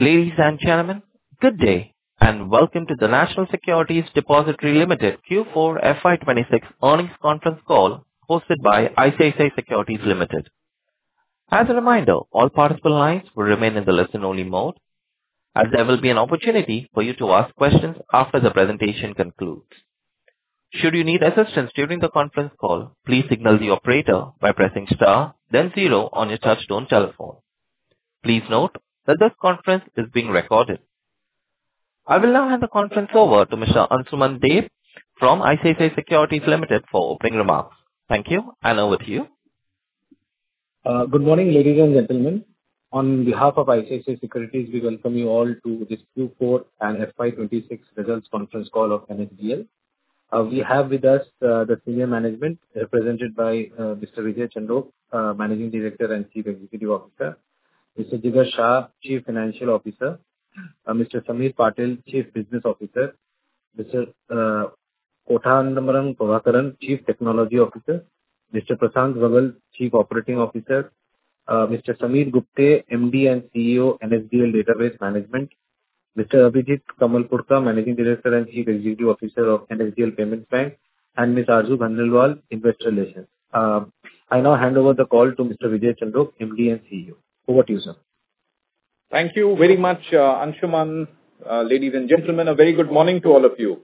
Ladies and gentlemen, good day, and welcome to the National Securities Depository Limited Q4 FY 2026 Earnings Conference Call hosted by ICICI Securities Limited. As a reminder, all participant lines will remain in the listen only mode, and there will be an opportunity for you to ask questions after the presentation concludes. Should you need assistance during the conference call, please signal the operator by pressing star then zero on your touchtone telephone. Please note that this conference is being recorded. I will now hand the conference over to Mr. Ansuman Deb from ICICI Securities Limited for opening remarks. Thank you. Over to you. Good morning, ladies and gentlemen. On behalf of ICICI Securities, we welcome you all to this Q4 and FY 2026 Results Conference Call of NSDL. We have with us the senior management represented by Mr. Vijay Chandok, Managing Director and Chief Executive Officer; Mr. Jigar Shah, Chief Financial Officer; Mr. Sameer Patil, Chief Business Officer; Mr. Kothandaraman Prabhakaran, Chief Technology Officer; Mr. Prashant Vagal, Chief Operating Officer; Mr. Sameer Gupte, MD and CEO, NSDL Database Management; Mr. Abhijit Kamalapurkar, Managing Director and Chief Executive Officer of NSDL Payments Bank; and Ms. Ojasvi Bhandari, Investor Relations. I now hand over the call to Mr. Vijay Chandok, MD and CEO. Over to you, sir. Thank you very much, Ansuman. Ladies and gentlemen, a very good morning to all of you.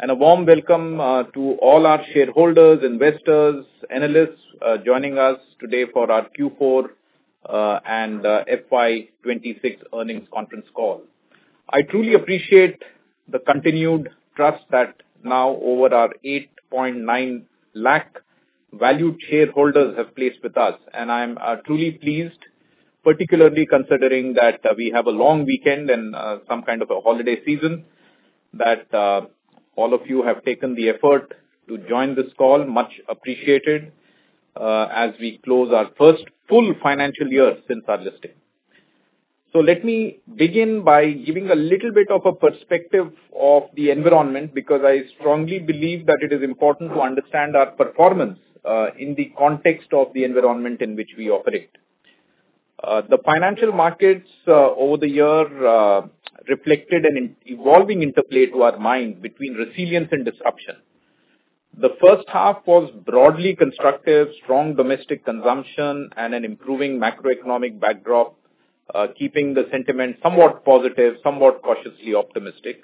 A warm welcome to all our shareholders, investors, analysts, joining us today for our Q4 and FY 2026 earnings conference call. I truly appreciate the continued trust that now over our 8.9 lakh valued shareholders have placed with us. I'm truly pleased, particularly considering that we have a long weekend and some kind of a holiday season, that all of you have taken the effort to join this call. Much appreciated, as we close our first full financial year since our listing. Let me begin by giving a little bit of a perspective of the environment, because I strongly believe that it is important to understand our performance in the context of the environment in which we operate. The financial markets, over the year, reflected an evolving interplay to our mind between resilience and disruption. The first half was broadly constructive, strong domestic consumption and an improving macroeconomic backdrop, keeping the sentiment somewhat positive, somewhat cautiously optimistic.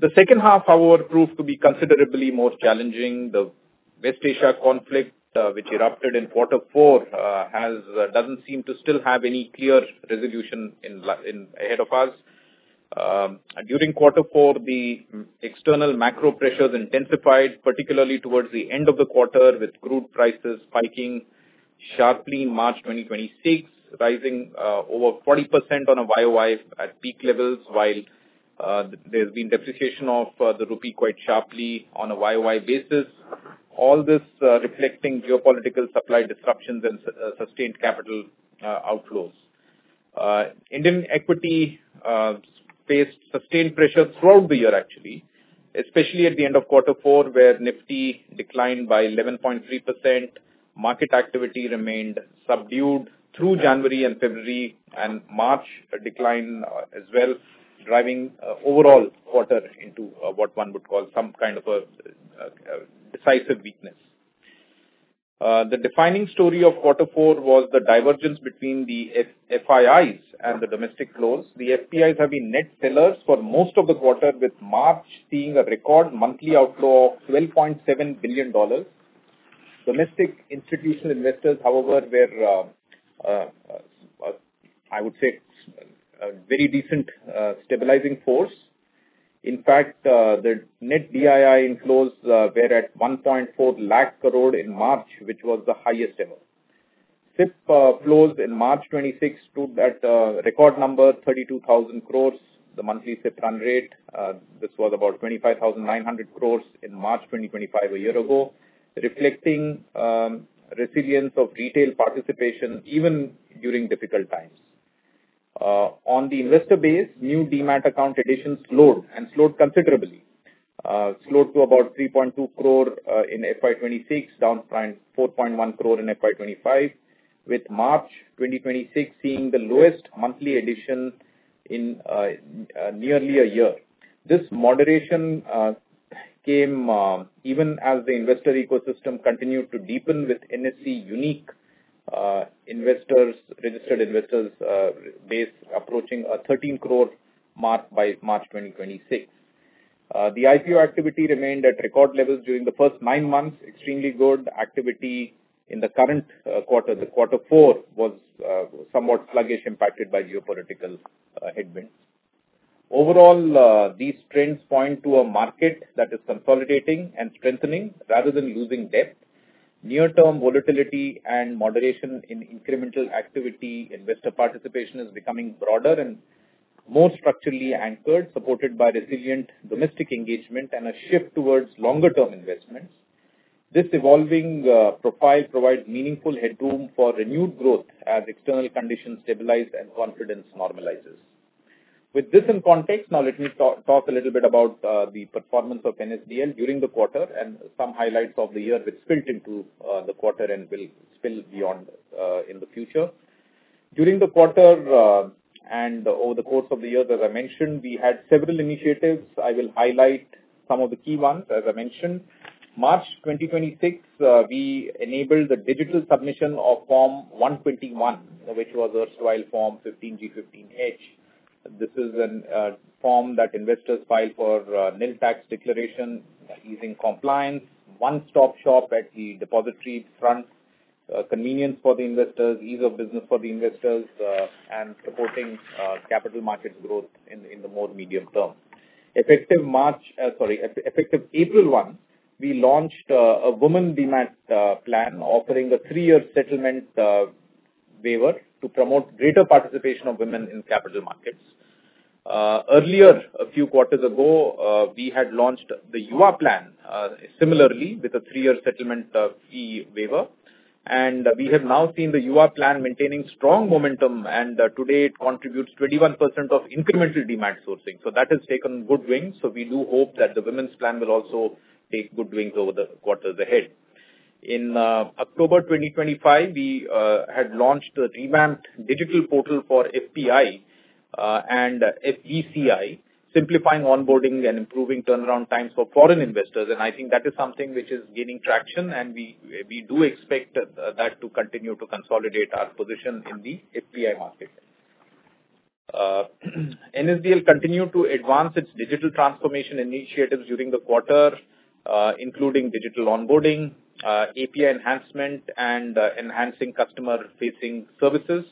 The second half, however, proved to be considerably more challenging. The West Asia conflict, which erupted in quarter four, doesn't seem to still have any clear resolution ahead of us. During quarter four, the external macro pressures intensified, particularly towards the end of the quarter, with crude prices spiking sharply in March 2026, rising over 40% on a Y-o-Y at peak levels, while there's been depreciation of the rupee quite sharply on a Y-o-Y basis. All this, reflecting geopolitical supply disruptions and sustained capital outflows. Indian equity faced sustained pressure throughout the year actually, especially at the end of quarter four, where Nifty declined by 11.3%. Market activity remained subdued through January and February, March a decline as well, driving overall quarter into what one would call some kind of a decisive weakness. The defining story of quarter four was the divergence between the FIIs and the domestic flows. The FIIs have been net sellers for most of the quarter, with March seeing a record monthly outflow of $12.7 billion. Domestic institutional investors, however, were I would say a very decent stabilizing force. In fact, the net DII inflows were at 1.4 lakh crore in March, which was the highest ever. SIP flows in March 2026 took that record number 32,000 crore. The monthly SIP run rate, this was about 25,900 crore in March 2025 a year ago, reflecting resilience of retail participation even during difficult times. On the investor base, new Demat account additions slowed, and slowed considerably. Slowed to about 3.2 crore in FY 2026, down from 4.1 crore in FY 2025, with March 2026 seeing the lowest monthly addition in nearly a year. This moderation came even as the investor ecosystem continued to deepen with NSE unique registered investors base approaching a 13 crore mark by March 2026. The IPO activity remained at record levels during the first nine months. Extremely good activity in the current quarter. The quarter four was somewhat sluggish, impacted by geopolitical headwinds. Overall, these trends point to a market that is consolidating and strengthening rather than losing depth. Near-term volatility and moderation in incremental activity, investor participation is becoming broader and more structurally anchored, supported by resilient domestic engagement and a shift towards longer-term investments. This evolving profile provides meaningful headroom for renewed growth as external conditions stabilize and confidence normalizes. With this in context, now let me talk a little bit about the performance of NSDL during the quarter and some highlights of the year which spilt into the quarter and will spill beyond in the future. During the quarter, and over the course of the year, as I mentioned, we had several initiatives. I will highlight some of the key ones. As I mentioned, March 2026, we enabled the digital submission of Form 121, which was erstwhile Form 15G, 15H. This is a form that investors file for nil tax declaration using compliance, one-stop shop at the depository front, convenience for the investors, ease of business for the investors, and supporting capital markets growth in the more medium term. Effective March, sorry, effective April 1, we launched a Women Demat Plan offering a three-year settlement waiver to promote greater participation of women in capital markets. Earlier, a few quarters ago, we had launched the YUva Plan, similarly, with a three-year settlement fee waiver. We have now seen the YUva Plan maintaining strong momentum, and today it contributes 21% of incremental Demat sourcing. That has taken good wings. We do hope that the Women's Plan will also take good wings over the quarters ahead. In October 2025, we had launched a revamped digital portal for FPI and FVCI, simplifying onboarding and improving turnaround times for foreign investors. I think that is something which is gaining traction, and we do expect that to continue to consolidate our position in the FPI market. NSDL continued to advance its digital transformation initiatives during the quarter, including digital onboarding, API enhancement and enhancing customer-facing services.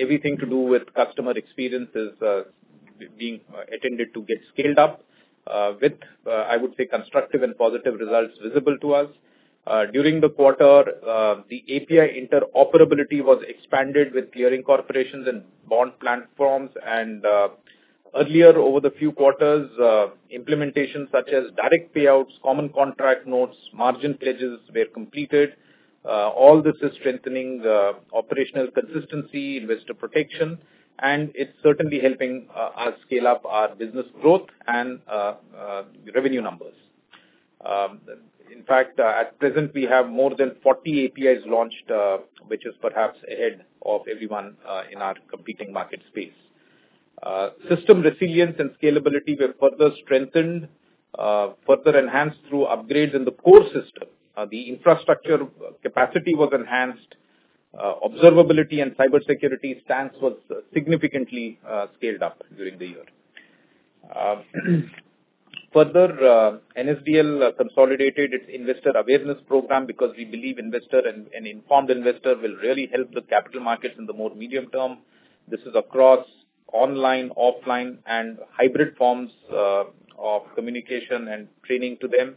Everything to do with customer experience is being attended to get scaled up with, I would say, constructive and positive results visible to us. During the quarter, the API interoperability was expanded with clearing corporations and bond platforms. Earlier over the few quarters, implementation such as direct payouts, common contract notes, margin pledges were completed. All this is strengthening operational consistency, investor protection, and it's certainly helping us scale up our business growth and revenue numbers. In fact, at present we have more than 40 APIs launched, which is perhaps ahead of everyone in our competing market space. System resilience and scalability were further strengthened, further enhanced through upgrades in the core system. The infrastructure capacity was enhanced. Observability and cybersecurity stance was significantly scaled up during the year. Further, NSDL consolidated its investor awareness program because we believe investor and informed investor will really help the capital markets in the more medium term. This is across online, offline, and hybrid forms of communication and training to them,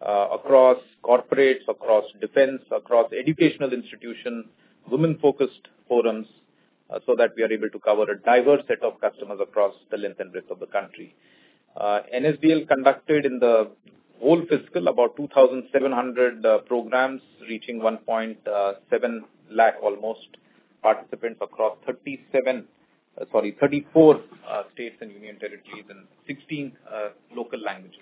across corporates, across defense, across educational institutions, women-focused forums, so that we are able to cover a diverse set of customers across the length and breadth of the country. NSDL conducted in the whole fiscal about 2,700 programs reaching 1.7 lakh almost participants across 37, sorry, 34 states and union territories in 16 local languages.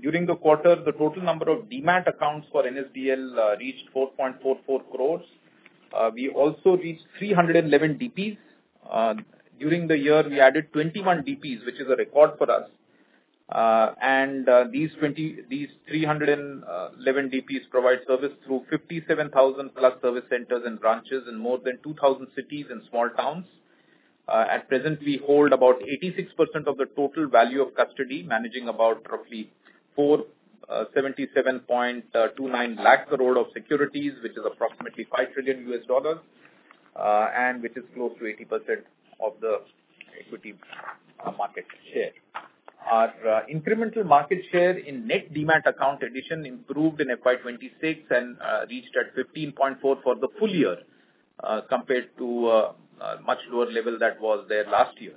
During the quarter, the total number of Demat accounts for NSDL reached 4.44 crores. We also reached 311 DPs. During the year, we added 21 DPs, which is a record for us. These 311 DPs provide service through 57,000+ service centers and branches in more than 2,000 cities and small towns. At present, we hold about 86% of the total value of custody, managing about roughly 477.29 lakh crore of securities, which is approximately $5 trillion, and which is close to 80% of the equity market share. Our incremental market share in net Demat account addition improved in FY 2026 and reached at 15.4 for the full year, compared to a much lower level that was there last year.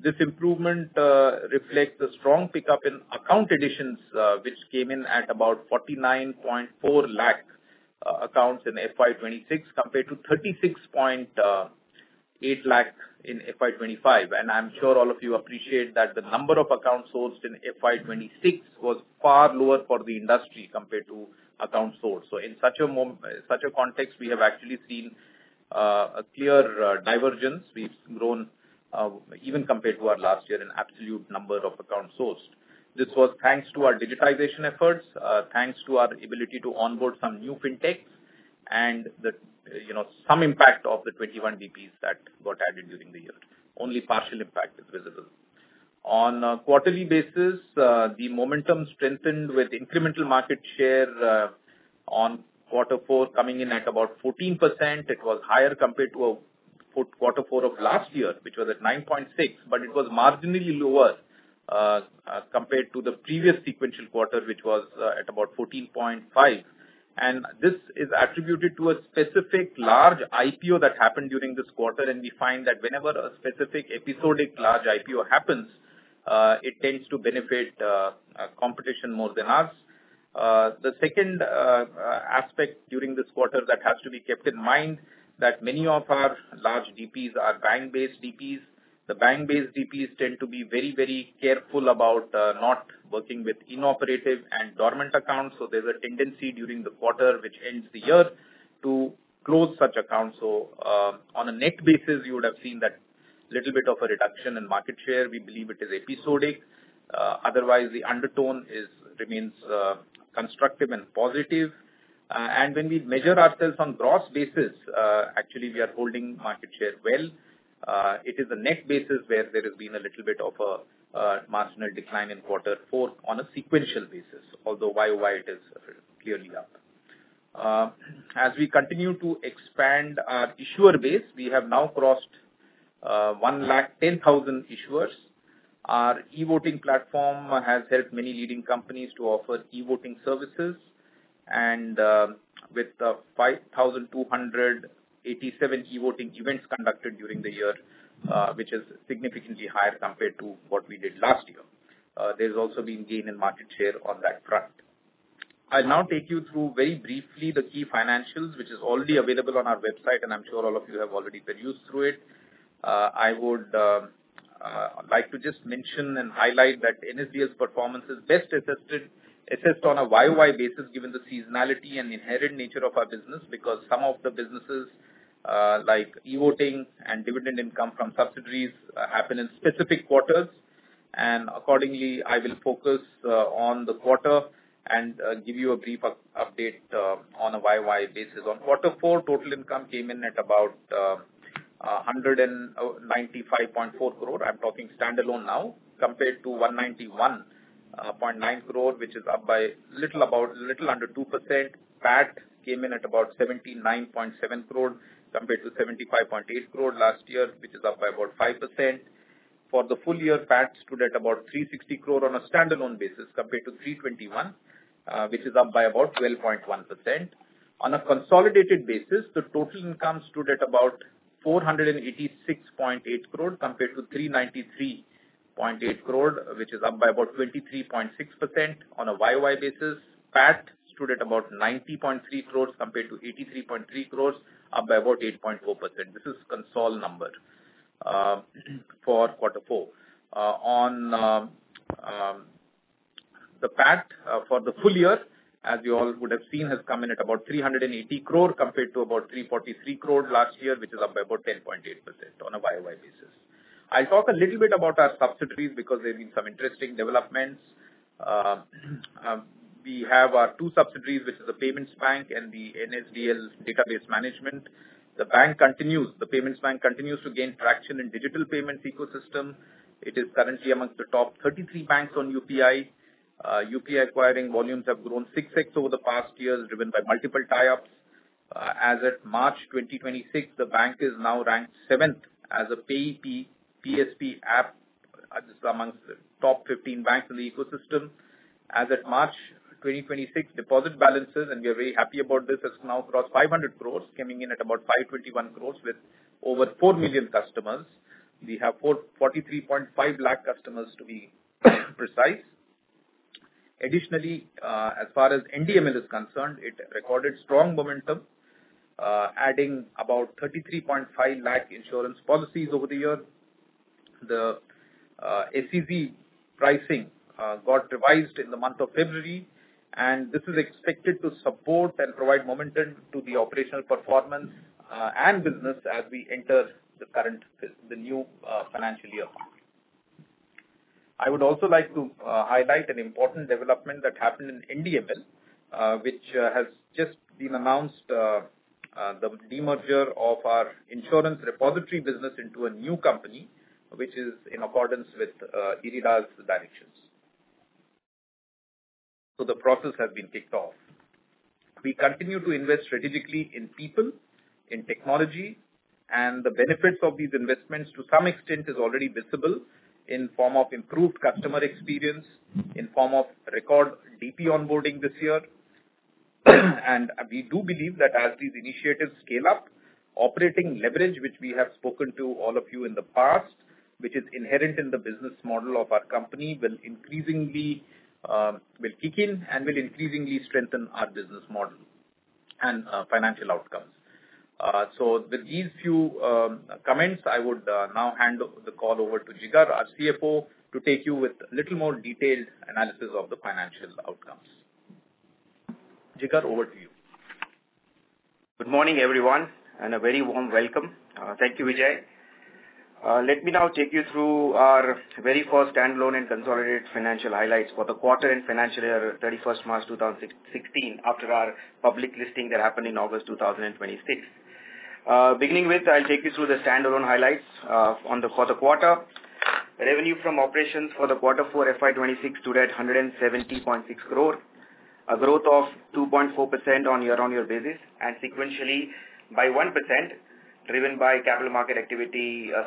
This improvement reflects the strong pickup in account additions, which came in at about 49.4 lakh accounts in FY 2026 compared to 36.8 lakh in FY 2025. I'm sure all of you appreciate that the number of accounts sourced in FY 2026 was far lower for the industry compared to accounts sourced. In such a context, we have actually seen a clear divergence. We've grown even compared to our last year in absolute number of accounts sourced. This was thanks to our digitization efforts, thanks to our ability to onboard some new fintechs and, you know, some impact of the 21 DPs that got added during the year. Only partial impact is visible. On a quarterly basis, the momentum strengthened with incremental market share on quarter four coming in at about 14%. It was higher compared to quarter four of last year, which was at 9.6%, but it was marginally lower compared to the previous sequential quarter, which was at about 14.5%. This is attributed to a specific large IPO that happened during this quarter. We find that whenever a specific episodic large IPO happens, it tends to benefit competition more than us. The second aspect during this quarter that has to be kept in mind that many of our large DPs are bank-based DPs. The bank-based DPs tend to be very careful about not working with inoperative and dormant accounts. There's a tendency during the quarter which ends the year to close such accounts. On a net basis, you would have seen that little bit of a reduction in market share. We believe it is episodic. Otherwise, the undertone remains constructive and positive. When we measure ourselves on gross basis, actually we are holding market share well. It is the net basis where there has been a little bit of a marginal decline in quarter four on a sequential basis. Although Y-o-Y it is clearly up. As we continue to expand our issuer base, we have now crossed 1 lakh 10,000 Issuers. Our e-voting platform has helped many leading companies to offer e-voting services and, with 5,287 e-voting events conducted during the year, which is significantly higher compared to what we did last year. There's also been gain in market share on that front. I'll now take you through very briefly the key financials, which is already available on our website, and I'm sure all of you have already perused through it. I would like to just mention and highlight that NSDL's performance is best assessed on a Y-o-Y basis given the seasonality and inherent nature of our business. Because some of the businesses, like e-voting and dividend income from subsidiaries, happen in specific quarters. Accordingly, I will focus on the quarter and give you a brief update on a Y-o-Y basis. On quarter four, total income came in at about 195.4 crore. I'm talking standalone now, compared to 191.9 crore, which is up by little under 2%. PAT came in at about 79.7 crore compared to 75.8 crore last year, which is up by about 5%. For the full year, PAT stood at about 360 crore on a standalone basis compared to 321 crore, which is up by about 12.1%. On a consolidated basis, the total income stood at about 486.8 crore compared to 393.8 crore, which is up by about 23.6% on a Y-o-Y basis. PAT stood at about 90.3 crore compared to 83.3 crore, up by about 8.4%. This is consol number for quarter four. The PAT for the full year, as you all would have seen, has come in at about 380 crore compared to about 343 crore last year, which is up by about 10.8% on a Y-o-Y basis. I'll talk a little bit about our subsidiaries because there have been some interesting developments. We have our two subsidiaries, which is the Payments Bank and the NSDL Database Management Limited. The Payments Bank continues to gain traction in digital payments ecosystem. It is currently amongst the top 33 banks on UPI. UPI acquiring volumes have grown 6x over the past years, driven by multiple tie-ups. As at March 2026, the bank is now ranked seventh as a PayU PSP App. This is amongst the top 15 banks in the ecosystem. As at March 2026 deposit balances, and we are very happy about this, has now crossed 500 crores, coming in at about 521 crores with over 4 million customers. We have 43.5 lakh customers to be precise. Additionally, as far as NDML is concerned, it recorded strong momentum, adding about 33.5 lakh insurance policies over the year. The SEBI pricing got revised in the month of February, and this is expected to support and provide momentum to the operational performance and business as we enter the new financial year. I would also like to highlight an important development that happened in NDML, which has just been announced. The demerger of our insurance repository business into a new company, which is in accordance with IRDAI's directions. The process has been kicked off. We continue to invest strategically in people, in technology, and the benefits of these investments to some extent is already visible in form of improved customer experience, in form of record DP onboarding this year. We do believe that as these initiatives scale up, operating leverage, which we have spoken to all of you in the past, which is inherent in the business model of our company, will increasingly kick in and will increasingly strengthen our business model and financial outcomes. With these few comments, I would now hand the call over to Jigar, our CFO, to take you with little more detailed analysis of the financial outcomes. Jigar, over to you. Good morning, everyone, and a very warm welcome. Thank you, Vijay. Let me now take you through our very first standalone and consolidated financial highlights for the quarter and financial year, 31st March 2026, after our public listing that happened in August 2026. Beginning with I'll take you through the standalone highlights for the quarter. Revenue from operations for quarter four FY 2026 stood at 170.6 crore, a growth of 2.4% on year-on-year basis and sequentially by 1%, driven by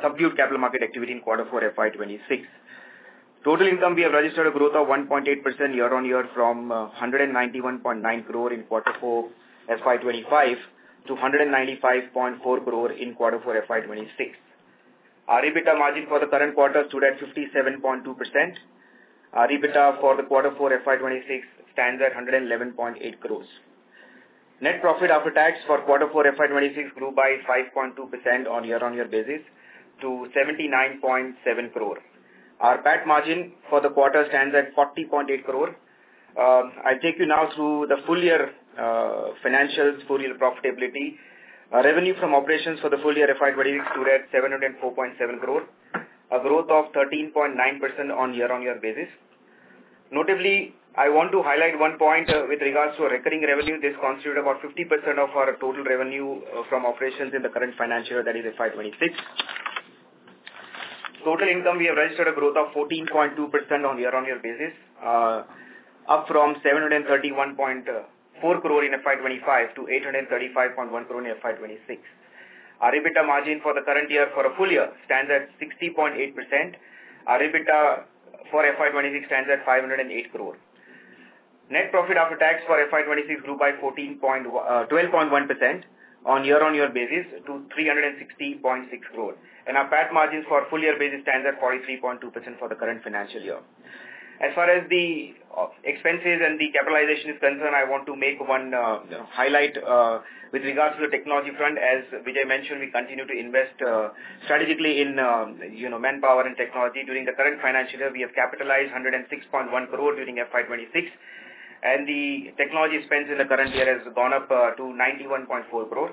subdued capital market activity in quarter four FY 2026. Total income, we have registered a growth of 1.8% year-on-year from 191.9 crore in quarter four FY 2025 to 195.4 crore in quarter four FY 2026. Our EBITDA margin for the current quarter stood at 57.2%. Our EBITDA for the quarter four FY 2026 stands at 111.8 crore. Net profit after tax for quarter four FY 2026 grew by 5.2% on year-on-year basis to 79.7 crore. Our PAT margin for the quarter stands at 40.8 crore. I take you now through the full year financials, full year profitability. Our revenue from operations for the full year FY 2026 stood at 704.7 crore, a growth of 13.9% on year-on-year basis. Notably, I want to highlight one point with regards to recurring revenue. This constitute about 50% of our total revenue from operations in the current financial, that is FY 2026. Total income, we have registered a growth of 14.2% on year-on-year basis, up from 731.4 crore in FY 2025 to 835.1 crore in FY 2026. Our EBITDA margin for the current year for a full year stands at 60.8%. Our EBITDA for FY 2026 stands at 508 crore. Net profit after tax for FY 2026 grew by 12.1% on year-on-year basis to 360.6 crore. Our PAT margins for full year basis stands at 43.2% for the current financial year. As far as the expenses and the capitalization is concerned, I want to make one, you know, highlight with regards to the technology front. As Vijay mentioned, we continue to invest strategically in, you know, manpower and technology. During the current financial year, we have capitalized 106.1 crore during FY 2026, and the technology spends in the current year has gone up to 91.4 crore.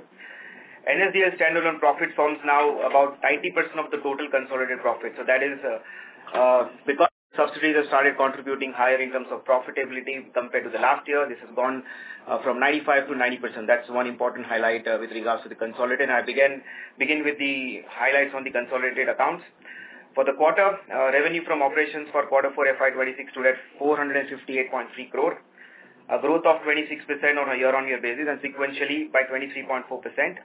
NSDL standalone profit forms now about 90% of the total consolidated profit. That is because subsidiaries have started contributing higher in terms of profitability compared to the last year. This has gone from 95%-90%. That's one important highlight with regards to the consolidated. I begin with the highlights on the consolidated accounts. For the quarter, revenue from operations for quarter four FY 2026 stood at 458.3 crore, a growth of 26% on a year-on-year basis, and sequentially by 23.4%.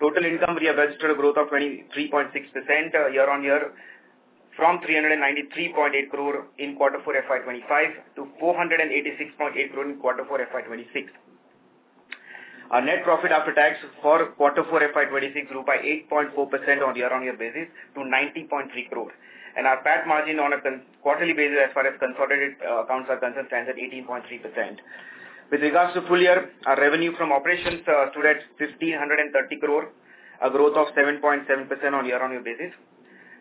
Total income, we have registered a growth of 23.6% year-on-year from 393.8 crore in quarter four FY 2025 to 486.8 crore in quarter four FY 2026. Our net PAT for quarter four FY 2026 grew by 8.4% on year-on-year basis to 90.3 crore. Our PAT margin on a quarterly basis as far as consolidated accounts are concerned stands at 18.3%. With regards to full year, our revenue from operations stood at 1,530 crore, a growth of 7.7% on year-on-year basis.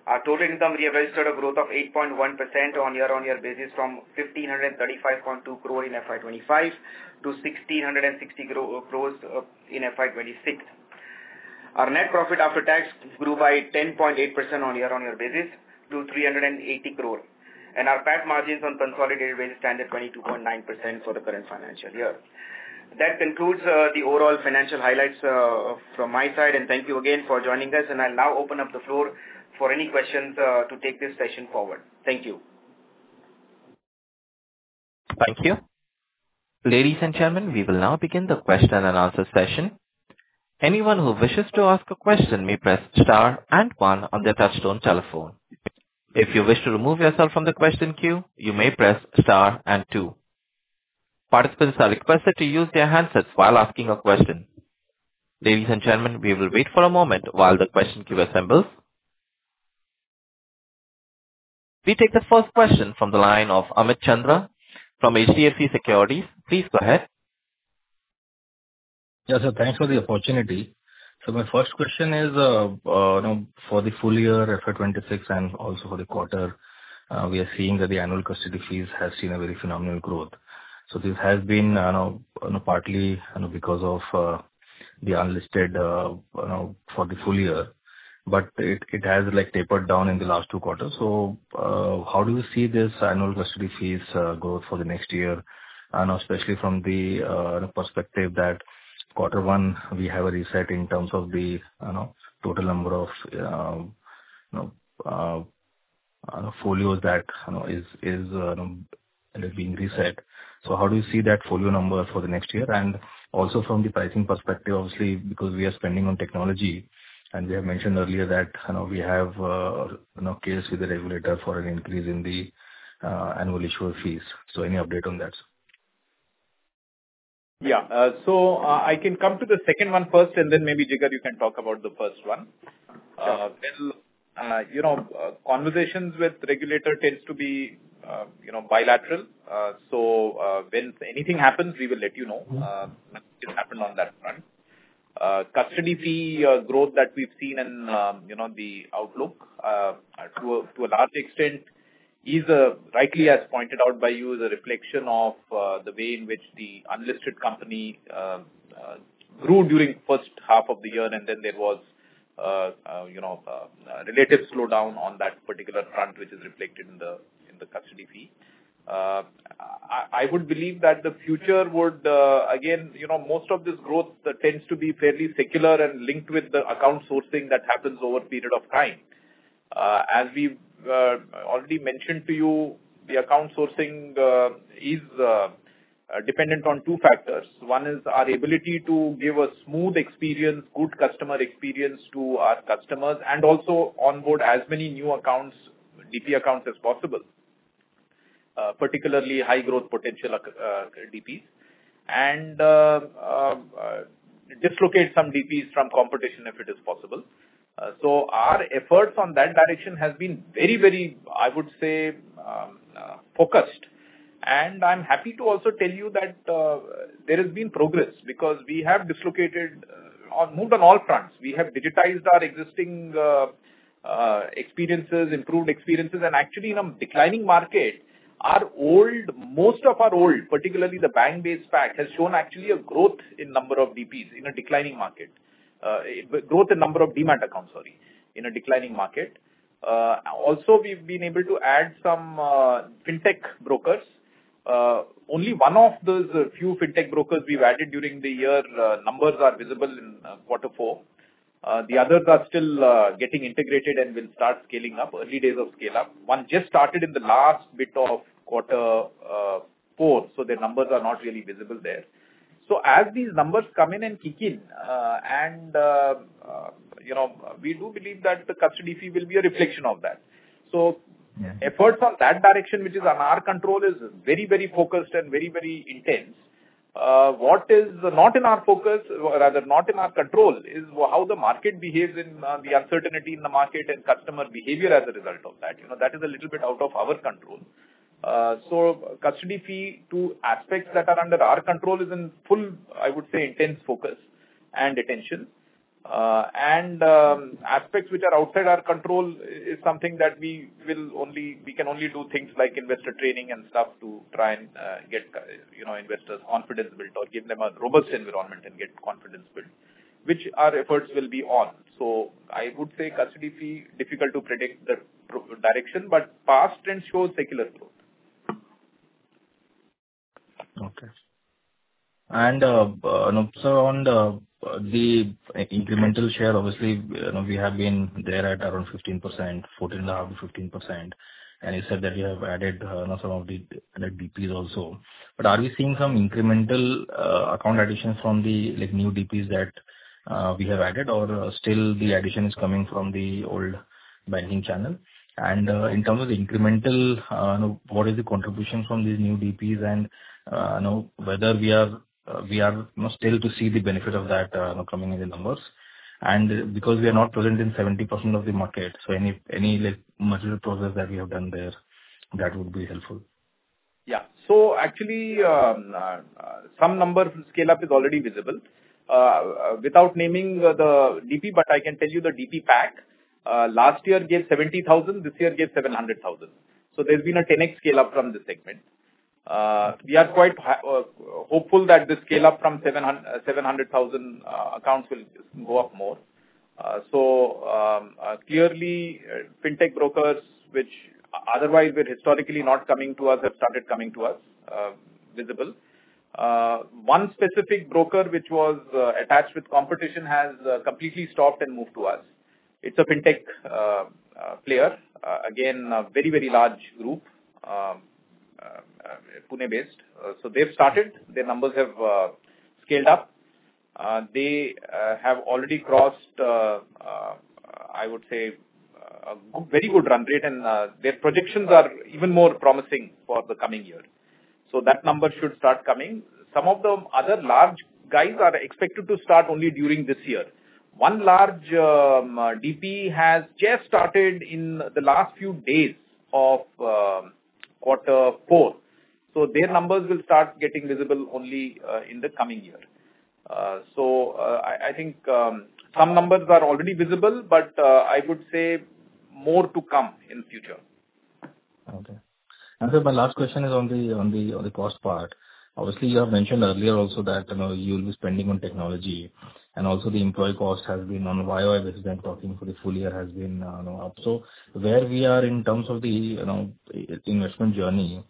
Our total income, we have registered a growth of 8.1% on year-on-year basis from 1,535.2 crore in FY 2025 to 1,660 crores in FY 2026. Our net profit after tax grew by 10.8% on year-on-year basis to 380 crore. Our PAT margins on consolidated basis stand at 22.9% for the current financial year. That concludes the overall financial highlights from my side. Thank you again for joining us. I'll now open up the floor for any questions to take this session forward. Thank you. Thank you. Ladies and gentlemen, we will now begin the question-and-answer session. Anyone who wishes to ask a question may press star one on their touch-tone telephone. If you wish to remove yourself from the question queue, you may press star two. Participants are requested to use their handsets while asking a question. Ladies and gentlemen, we will wait for a moment while the question queue assembles. We take the first question from the line of Amit Chandra from HDFC Securities. Please go ahead. Thanks for the opportunity. My first question is for the full year FY 2026 and also for the quarter, we are seeing that the annual custody fees has seen a very phenomenal growth. This has been partly because of the unlisted for the full year, but it has like tapered down in the last two quarters. How do you see this annual custody fees growth for the next year, especially from the perspective that quarter one we have a reset in terms of the total number of folios that it is being reset. How do you see that folio number for the next year? Also from the pricing perspective, obviously, because we are spending on technology, and we have mentioned earlier that we have a case with the regulator for an increase in the annual issuer fees. Any update on that? Yeah. I can come to the second one first and then maybe, Jigar, you can talk about the first one. Sure. Well, you know, conversations with regulator tends to be, you know, bilateral. When anything happens, we will let you know. Mm-hmm. Nothing happened on that front. Custody fee growth that we've seen and the outlook to a large extent is rightly, as pointed out by you, the reflection of the way in which the unlisted company grew during first half of the year and then there was, you know, a relative slowdown on that particular front, which is reflected in the custody fee. I would believe that the future would again, you know, most of this growth tends to be fairly secular and linked with the account sourcing that happens over a period of time. As we've already mentioned to you, the account sourcing is dependent on two factors. One is our ability to give a smooth experience, good customer experience to our customers, and also onboard as many new accounts, DP accounts as possible. Particularly high growth potential DPs and dislocate some DPs from competition if it is possible. Our efforts on that direction has been very, I would say, focused. I'm happy to also tell you that there has been progress because we have dislocated or moved on all fronts. We have digitized our existing experiences, improved experiences. Actually in a declining market, most of our old, particularly the bank-based pack, has shown actually a growth in number of DPs in a declining market. Growth in number of Demat accounts, sorry, in a declining market. Also, we've been able to add some fintech brokers. Only one of those few fintech brokers we've added during the year, numbers are visible in quarter four. The others are still getting integrated and will start scaling up. Early days of scale-up. One just started in the last bit of quarter four, so their numbers are not really visible there. As these numbers come in and kick in, and, you know, we do believe that the custody fee will be a reflection of that. Yeah. Efforts on that direction, which is on our control, is very, very focused and very, very intense. What is not in our focus, or rather not in our control, is how the market behaves in the uncertainty in the market and customer behavior as a result of that. You know, that is a little bit out of our control. So custody fee to aspects that are under our control is in full, I would say, intense focus and attention. Aspects which are outside our control is something that we will only we can only do things like investor training and stuff to try and get, you know, investors' confidence built or give them a robust environment and get confidence built. Which our efforts will be on. I would say custody fee, difficult to predict the direction, but past trends show secular growth. Okay. On the incremental share, obviously, you know, we have been there at around 15%, 14.5%-15%. You said that you have added, you know, some of the added DPs also. Are we seeing some incremental, account additions from the, like, new DPs that we have added or still the addition is coming from the old banking channel? In terms of the incremental, you know, what is the contribution from these new DPs and, you know, whether we are, we are, you know, still to see the benefit of that, you know, coming in the numbers. Because we are not present in 70% of the market, so any, like, material progress that we have done there, that would be helpful. Actually, some numbers scale-up is already visible. Without naming the DP, but I can tell you the DP pack, last year gave 70,000, this year gave 700,000. There's been a 10x scale-up from this segment. We are quite hopeful that the scale-up from 700,000 accounts will go up more. Clearly, fintech brokers, which otherwise were historically not coming to us, have started coming to us, visible. One specific broker which was attached with competition has completely stopped and moved to us. It's a fintech player. Again, a very, very large group, Pune-based. They've started. Their numbers have scaled up. They have already crossed, I would say, a very good run rate and their projections are even more promising for the coming year. That number should start coming. Some of the other large guys are expected to start only during this year. One large DP has just started in the last few days of quarter four. Their numbers will start getting visible only in the coming year. I think, some numbers are already visible, but I would say more to come in future. Okay. My last question is on the cost part. Obviously, you have mentioned earlier also that, you know, you'll be spending on technology, and also the employee cost has been on the Y-o-Y basis when talking for the full year has been, you know, up. Where we are in terms of the, you know, investment journey,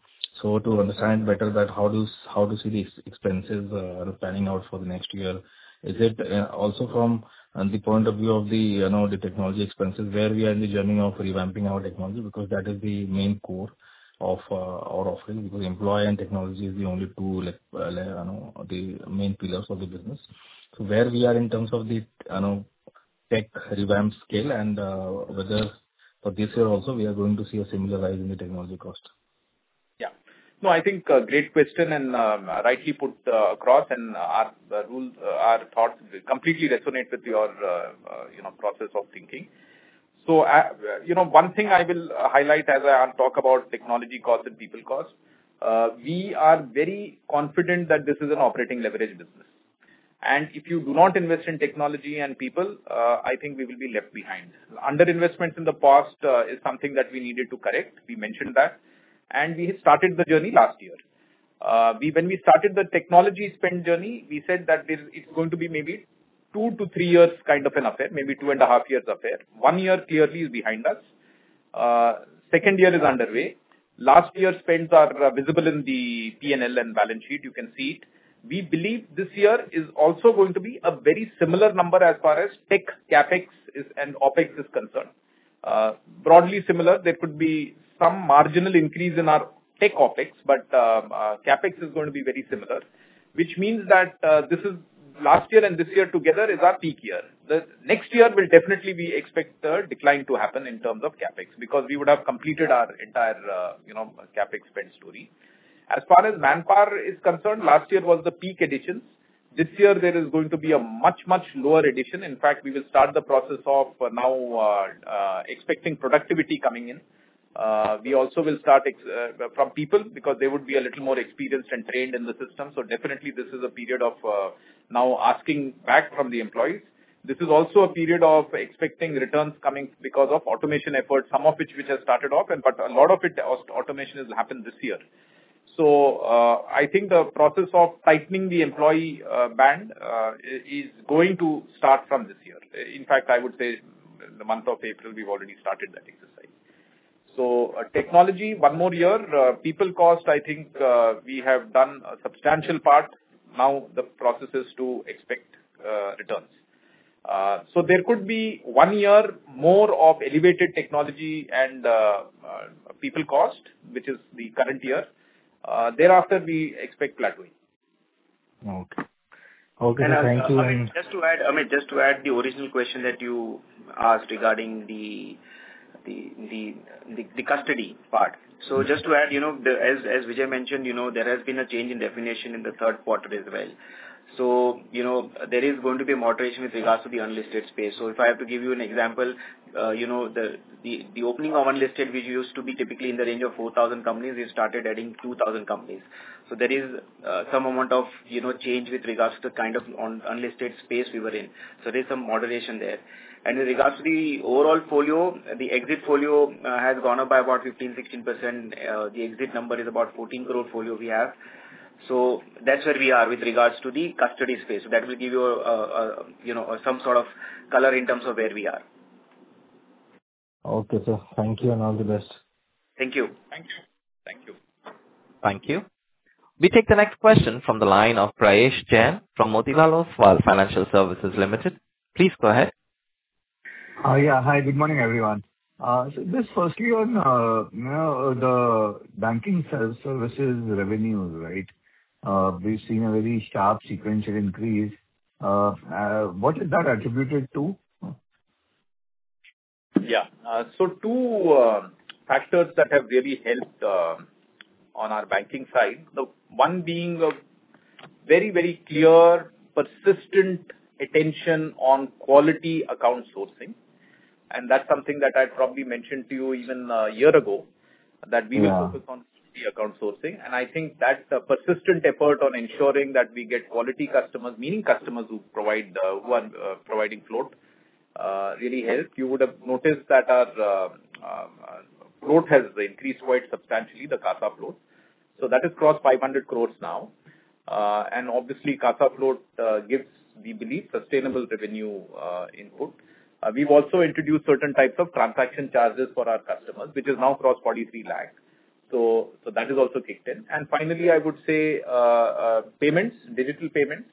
so to understand better that how to see the expenses panning out for the next year. Is it also from the point of view of the, you know, the technology expenses, where we are in the journey of revamping our technology? That is the main core of our offering, because employee and technology is the only two, like the main pillars of the business. Where we are in terms of the tech revamp scale and whether for this year also we are going to see a similar rise in the technology cost? Yeah. No, I think a great question and rightly put across and our rules, our thoughts completely resonate with your, you know, process of thinking. You know, one thing I will highlight as I talk about technology cost and people cost, we are very confident that this is an operating leverage business. If you do not invest in technology and people, I think we will be left behind. Under investments in the past is something that we needed to correct. We mentioned that. We started the journey last year. When we started the technology spend journey, we said that this is going to be maybe two to three years kind of an affair, maybe two and a half years affair. One year clearly is behind us. Second year is underway. Last year's spends are visible in the P&L and balance sheet, you can see it. We believe this year is also going to be a very similar number as far as tech CapEx is and OpEx is concerned. Broadly similar, there could be some marginal increase in our tech OpEx, but CapEx is going to be very similar. Which means that, Last year and this year together is our peak year. The next year we will definitely expect the decline to happen in terms of CapEx, because we would have completed our entire CapEx spend story. As far as manpower is concerned, last year was the peak addition. This year there is going to be a much lower addition. In fact, we will start the process of now, expecting productivity coming in. We also will start from people because they would be a little more experienced and trained in the system. Definitely this is a period of now asking back from the employees. This is also a period of expecting returns coming because of automation efforts, some of which we just started off, and but a lot of it, automation has happened this year. I think the process of tightening the employee band is going to start from this year. In fact, I would say the month of April, we've already started that exercise. Technology, one more year. People cost, I think, we have done a substantial part. Now the process is to expect returns. There could be one year more of elevated technology and people cost, which is the current year. Thereafter, we expect plateauing. Okay, thank you. Amit, just to add, the original question that you asked regarding the custody part. Just to add, you know, as Vijay mentioned there has been a change in definition in the third quarter as well. You know, there is going to be a moderation with regards to the unlisted space. If I have to give you an example, you know, the opening of unlisted, which used to be typically in the range of 4,000 companies, we've started adding 2,000 companies. There is some amount of change with regards to the kind of unlisted space we were in. There's some moderation there. With regards to the overall folio, the exit folio has gone up by about 15%-16%. The exit number is about 14 crore folio we have. That's where we are with regards to the custody space. That will give you know, some sort of color in terms of where we are. Okay, sir. Thank you and all the best. Thank you. Thank you. Thank you. Thank you. We take the next question from the line of Prayesh Jain from Motilal Oswal Financial Services Limited. Please go ahead. Yeah. Hi, good morning, everyone. Just firstly on, you know, the banking services revenue, right? We've seen a very sharp sequential increase. What is that attributed to? Yeah. Two factors that have really helped on our banking side. One being a very, very clear, persistent attention on quality account sourcing. That's something that I probably mentioned to you even a year ago, that we will focus on the account sourcing. I think that's a persistent effort on ensuring that we get quality customers, meaning customers who provide, who are providing float, really helped. You would have noticed that our float has increased quite substantially, the CASA float. That has crossed 500 crore now. Obviously CASA float gives, we believe, sustainable revenue input. We've also introduced certain types of transaction charges for our customers, which has now crossed 43 lakh. That has also kicked in. Finally, I would say payments, digital payments,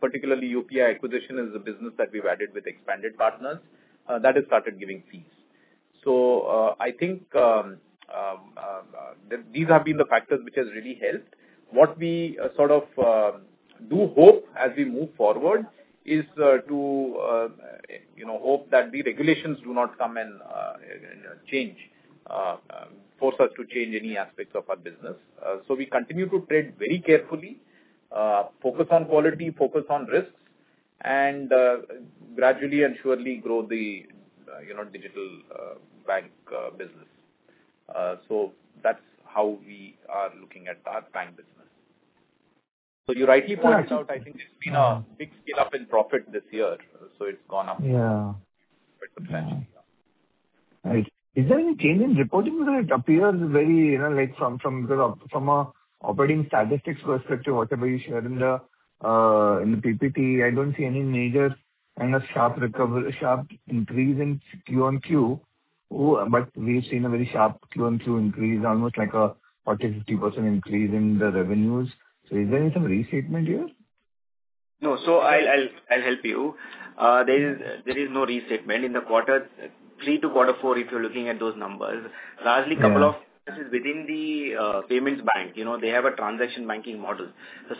particularly UPI acquisition is a business that we've added with expanded partners, that has started giving fees. I think these have been the factors which has really helped. What we sort of do hope as we move forward is to hope that the regulations do not come and change force us to change any aspects of our business. We continue to tread very carefully, focus on quality, focus on risks, and gradually and surely grow the digital bank business. That's how we are looking at our bank business. You rightly pointed out, I think there's been a big scale-up in profit this year, so it's gone up quite substantially. Right. Is there any change in reporting? Because it appears very, you know, like from the, from a operating statistics perspective, whatever you shared in the PPT, I don't see any major kind of sharp increase in Q-o-Q. We've seen a very sharp Q-o-Q increase, almost like a 40%, 50% increase in the revenues. Is there any some restatement here? No. I'll help you. There is no restatement. In the quarter three to quarter four, if you're looking at those numbers. Yeah. Largely couple of businesses within the Payments Bank, you know, they have a transaction banking model.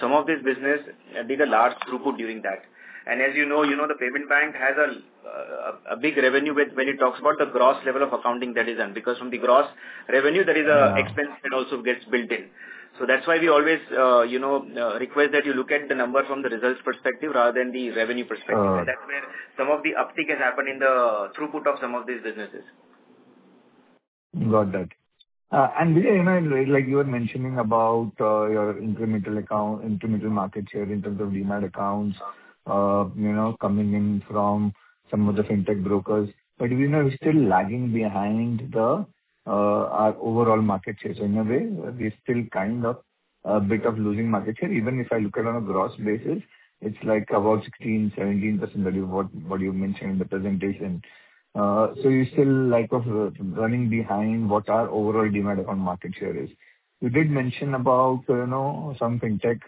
Some of this business did a large throughput during that. As you know, the Payments Bank has a big revenue with when it talks about the gross level of accounting that is earned expense that also gets built in. That's why we always, you know, request that you look at the number from the results perspective rather than the revenue perspective. Oh. That's where some of the uptick has happened in the throughput of some of these businesses. Got that. Vijay, you know, like you were mentioning about your incremental account, incremental market share in terms of Demat accounts, you know, coming in from some of the fintech brokers. You know, we're still lagging behind our overall market share. In a way, we're still kind of a bit of losing market share. Even if I look at on a gross basis, it's like about 16%, 17% that what you've mentioned in the presentation. You're still like of running behind what our overall Demat account market share is. You did mention about, you know, some fintech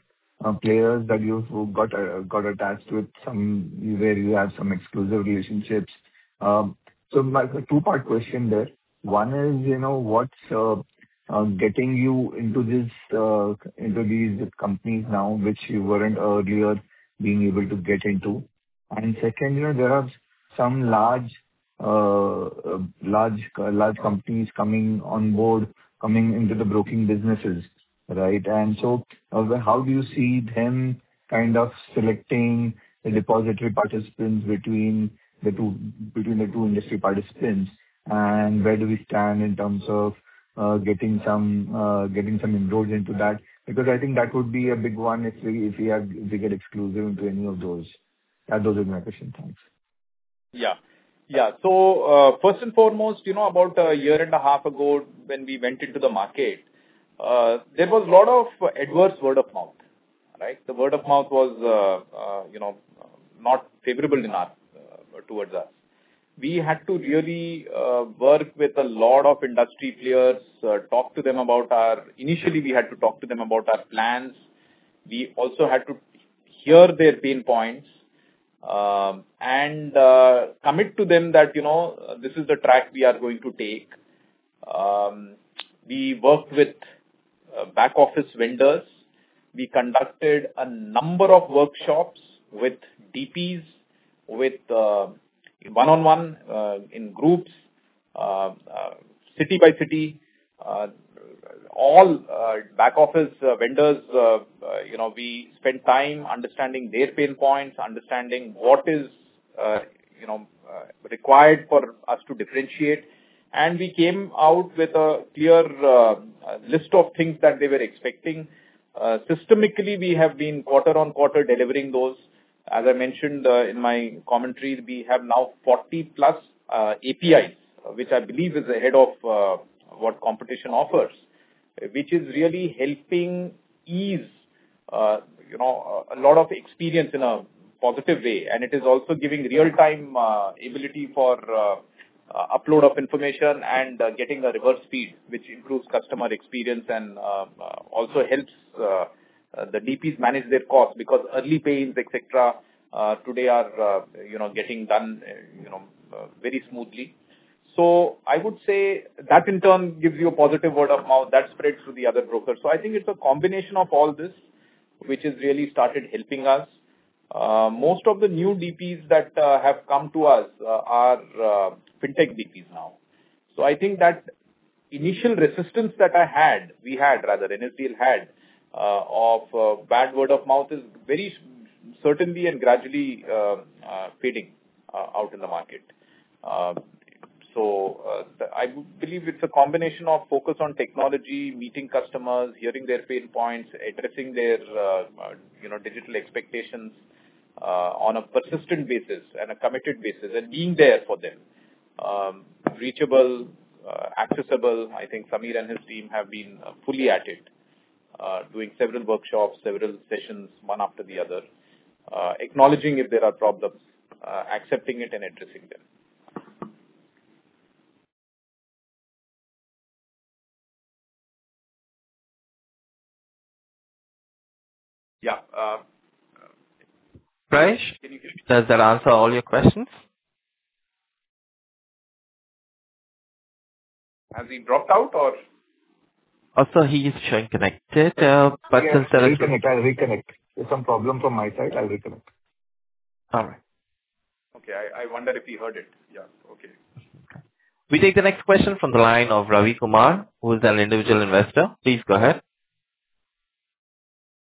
players that you've got attached with where you have some exclusive relationships. Like a 2-part question there. One is, you know, what's getting you into this, into these companies now, which you weren't earlier being able to get into? Second, you know, there are some large companies coming on board, coming into the broking businesses, right? How do you see them kind of selecting the depository participants between the two, between the two industry participants? Where do we stand in terms of getting some inroads into that? Because I think that would be a big one if we get exclusive to any of those. Those are my questions. Thanks. Yeah. First and foremost, you know, about a year and a half ago when we went into the market, there was a lot of adverse word of mouth, right? The word of mouth was, you know, not favorable enough towards us. We had to really work with a lot of industry players, talk to them about Initially, we had to talk to them about our plans. We also had to hear their pain points, and commit to them that, you know, this is the track we are going to take. We worked with back-office vendors. We conducted a number of workshops with DPs with one-on-one, in groups, city by city. All back-office vendors, you know, we spent time understanding their pain points, understanding what is required for us to differentiate. We came out with a clear list of things that they were expecting. Systemically, we have been quarter-on-quarter delivering those. As I mentioned, in my commentary, we have now 40+ APIs, which I believe is ahead of what competition offers, which is really helping ease, you know, a lot of experience in a positive way. It is also giving real-time ability for upload of information and getting a reverse feed, which improves customer experience and also helps the DPs manage their costs because early pains, etcetera, today are getting done very smoothly. I would say that in turn gives you a positive word of mouth that spreads to the other brokers. I think it's a combination of all this which has really started helping us. Most of the new DPs that have come to us are fintech DPs now. I think that initial resistance that I had, we had rather, NSDL had, of bad word of mouth is very certainly and gradually fading out in the market. I believe it's a combination of focus on technology, meeting customers, hearing their pain points, addressing their, you know, digital expectations, on a persistent basis and a committed basis, and being there for them, reachable, accessible. I think Sameer and his team have been fully at it, doing several workshops, several sessions, one after the other, acknowledging if there are problems, accepting it and addressing them. Yeah. Prayesh, does that answer all your questions? Has he dropped out or? He is showing connected. Yeah. I'll reconnect. There's some problem from my side. I'll reconnect. All right. Okay. I wonder if he heard it. Yeah. Okay. We take the next question from the line of Ravi Kumar, who is an individual investor. Please go ahead.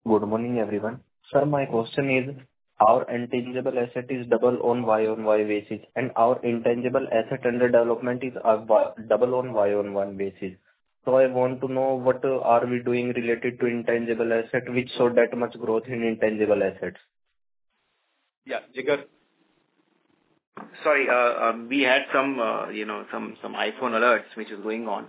Good morning, everyone. Sir, my question is, our intangible asset is double on Y-o-Y basis. Our intangible asset under development is double on Y-o-Y basis. I want to know what are we doing related to intangible asset which show that much growth in intangible assets? Yeah. Jigar. Sorry. We had some iPhone alerts which is going on.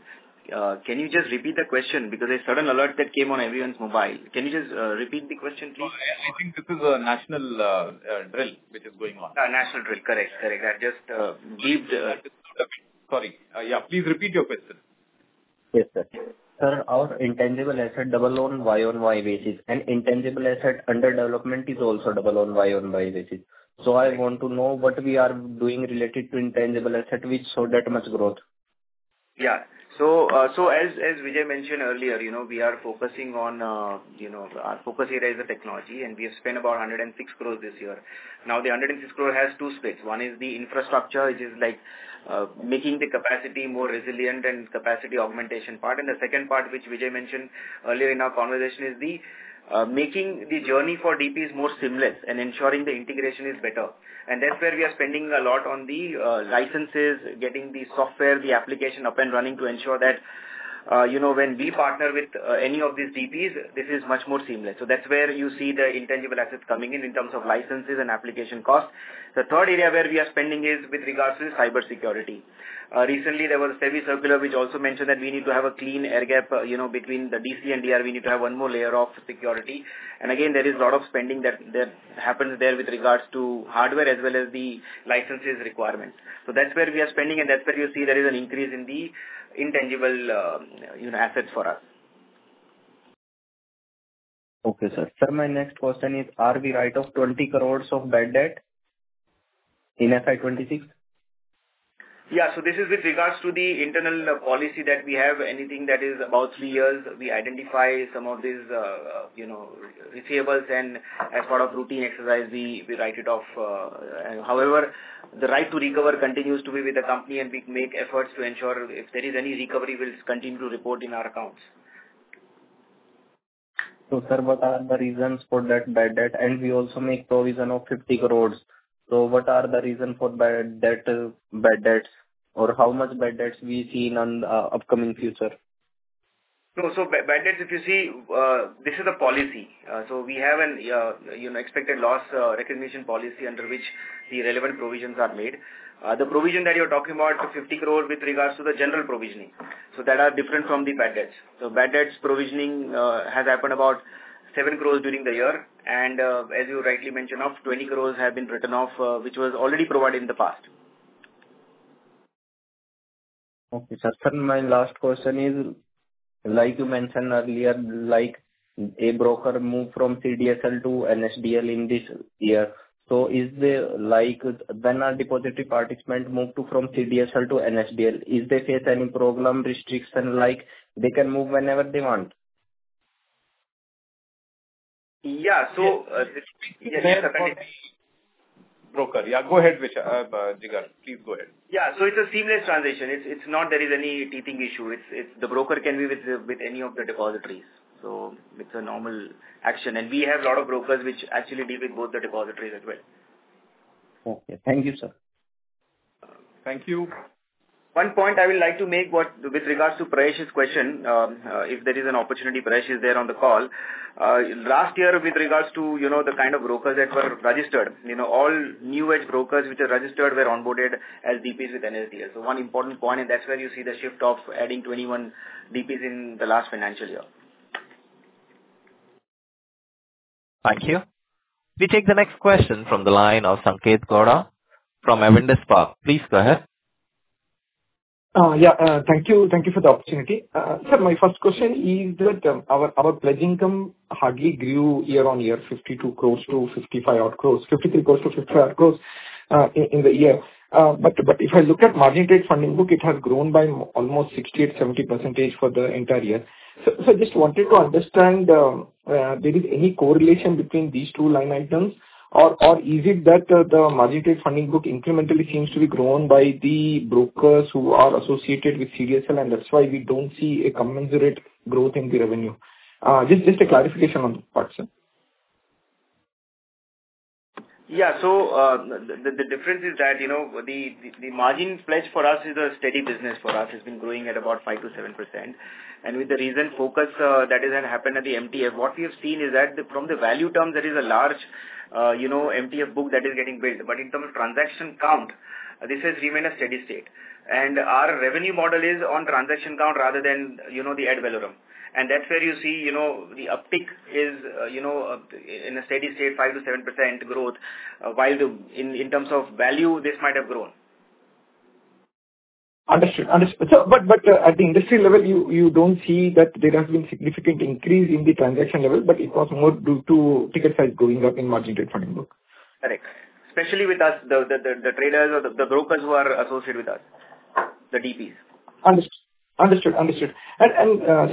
Can you just repeat the question? A sudden alert that came on everyone's mobile. Can you just repeat the question, please? No, I think this is a national drill which is going on. A national drill. Correct. Correct. I just believed. Sorry. Yeah, please repeat your question. Yes, sir. Sir, our intangible asset double on Y-o-Y basis and intangible asset under development is also double on Y-o-Y basis. I want to know what we are doing related to intangible asset which show that much growth? As Vijay mentioned earlier, our focus area is the technology, and we have spent about 106 crore this year. The 106 crore has two splits. One is the infrastructure, which is like, making the capacity more resilient and capacity augmentation part. The second part, which Vijay mentioned earlier in our conversation, is the making the journey for DPs more seamless and ensuring the integration is better. That's where we are spending a lot on the licenses, getting the software, the application up and running to ensure that, you know, when we partner with any of these DPs, this is much more seamless. That's where you see the intangible assets coming in in terms of licenses and application costs. The third area where we are spending is with regards to cybersecurity. Recently there was a SEBI circular which also mentioned that we need to have a clean air gap, you know, between the DC and DR. We need to have one more layer of security. There is a lot of spending that happens there with regards to hardware as well as the licenses requirements. That's where we are spending, and that's where you see there is an increase in the intangible, you know, assets for us. Okay, sir. Sir, my next question is, are we write off 20 crore of bad debt in FY 2026? Yeah. This is with regards to the internal policy that we have. Anything that is about three years, we identify some of these, you know, receivables and as part of routine exercise, we write it off. However, the right to recover continues to be with the company, and we make efforts to ensure if there is any recovery, we'll continue to report in our accounts. Sir, what are the reasons for that bad debt? We also make provision of 50 crore. What are the reasons for bad debts? How much bad debts we see in upcoming future? No, so bad debts, if you see, this is a policy. We have an, you know, expected loss recognition policy under which the relevant provisions are made. The provision that you're talking about, the 50 crores with regards to the general provisioning, so that are different from the bad debts. Bad debts provisioning has happened about 7 crores during the year. As you rightly mentioned of 20 crores have been written off, which was already provided in the past. Okay, sir. Sir, my last question is, like you mentioned earlier, a broker moved from CDSL to NSDL in this year. Is there like when our depository participant moved from CDSL to NSDL, is they face any problem, restriction, like they can move whenever they want? Yeah. Yeah, go ahead, Jigar. Please go ahead. Yeah. It's a seamless transition. It's not there is any teething issue. It's the broker can be with any of the depositories. It's a normal action. We have a lot of brokers which actually deal with both the depositories as well. Okay. Thank you, sir. Thank you. One point I would like to make with regards to Prayesh's question, if there is an opportunity, Prayesh is there on the call. Last year with regards to, you know, the kind of brokers that were registered all new age brokers which are registered were onboarded as DPs with NSDL. One important point, and that's where you see the shift of adding 21 DPs in the last financial year. Thank you. We take the next question from the line of Sanketh Godha from Avendus Spark. Please go ahead. Yeah. Thank you. Thank you for the opportunity. Sir, my first question is that, our pledge income hardly grew year-on-year, 53 crore to 55 odd crore, in the year. If I look at margin trade funding book, it has grown by almost 60%-70% for the entire year. I just wanted to understand, there is any correlation between these two line items or is it that, the margin trade funding book incrementally seems to be grown by the brokers who are associated with CDSL, and that's why we don't see a commensurate growth in the revenue? Just a clarification on that part, sir. The difference is that, you know, the margin pledge for us is a steady business for us. It's been growing at about 5%-7%. With the recent focus that has happened at the MTF, what we have seen is that from the value terms, there is a large, you know, MTF book that is getting built. In terms of transaction count, this has remained a steady state. Our revenue model is on transaction count rather than, you know, the ad valorem. That's where you see, you know, the uptick is in a steady state, 5%-7% growth. While in terms of value, this might have grown. Understood. At the industry level, you don't see that there has been significant increase in the transaction level, but it was more due to ticket size going up in margin trade funding book. Correct. Especially with us, the traders or the brokers who are associated with us, the DPs. Understood.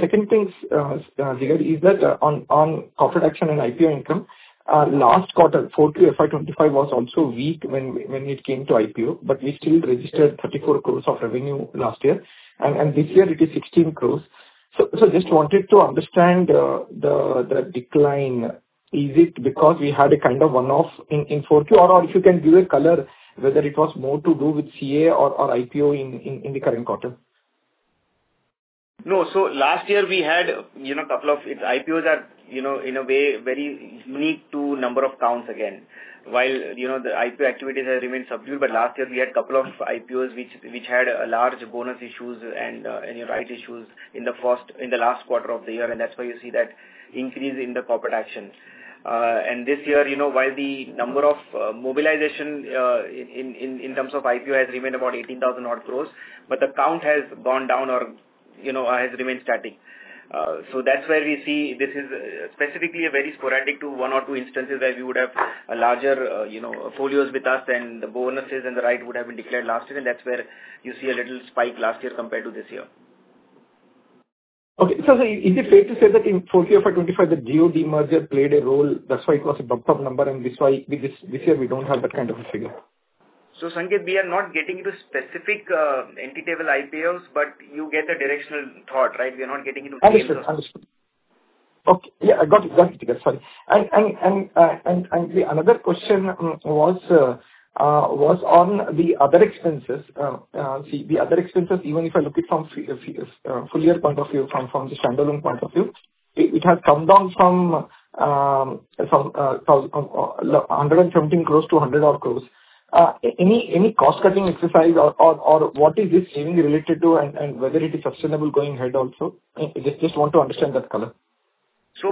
Second thing, Jigar, is that on corporate action and IPO income, last quarter, 4Q FY 2025 was also weak when it came to IPO, but we still registered 34 crores of revenue last year and this year it is 16 crores. Just wanted to understand the decline. Is it because we had a kind of one-off in 4Q? Or if you can give a color whether it was more to do with CA or IPO in the current quarter. No. Last year we had, you know, couple of IPOs are, you know, in a way, very unique to number of counts again. While, you know, the IPO activities have remained subdued, last year we had couple of IPOs which had a large bonus issues and right issues in the last quarter of the year, that's why you see that increase in the corporate actions. This year, you know, while the number of mobilization in terms of IPO has remained about 18,000 odd crores, the count has gone down or, you know, has remained static. That's where we see this is specifically a very sporadic to one or two instances where we would have a larger, you know, folios with us and the bonuses and the right would have been declared last year, and that's where you see a little spike last year compared to this year. Is it fair to say that in 4Q FY 2025, the Jio demerger played a role, that's why it was a bumped up number, this year we don't have that kind of a figure? Sanketh, we are not getting into specific, entity level IPOs, but you get a directional thought, right? We are not getting into details of. Understood. Okay. Yeah, got it. Got it, Jigar. Sorry. The another question was on the other expenses. See the other expenses, even if I look it from full year point of view, from the standalone point of view, it has come down from 117 crores to 100 odd crores. Any cost-cutting exercise or what is this seemingly related to and whether it is sustainable going ahead also? Just want to understand that color.